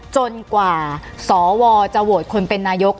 จนกว่าสวจะโหวตคนเป็นนายก